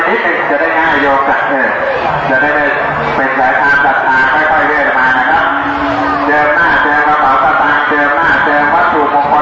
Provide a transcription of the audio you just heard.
เดี่ยวมันนี้เด้งความอัจจิตเดมออกมา